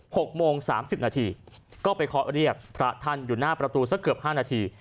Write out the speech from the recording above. หกโมงสามสิบนาทีก็ไปเคาะเรียกพระท่านอยู่หน้าประตูสักเกือบห้านาที